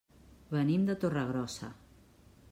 Venim de Torregrossa.